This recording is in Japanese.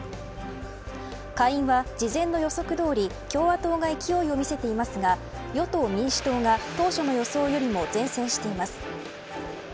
下院は事前の予測どおり共和党が勢いを見せていますが与党・民主党が当初の予想よりも善戦しています。